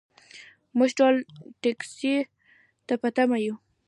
موږ ټول ټکسي ته په تمه یو .